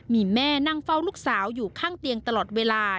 มีแม่นั่งเฝ้าลูกสาวอยู่ข้างเตียงตลอดเวลา